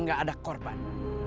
biar gak ada korban